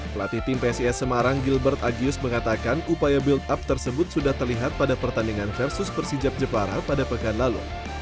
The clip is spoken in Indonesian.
pelatih tim psis semarang gilbert agius mengatakan upaya build up tersebut sudah terlihat pada pertandingan versus persijap jepara pada pekan lalu